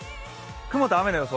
雲と雨の予想